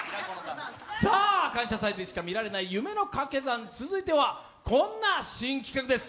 「感謝祭」でしか見られない夢のカケ算続いては、こんな新企画です。